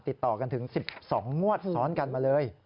ติดต่อกันถึง๑๒งวดซ้อนกันมาเลย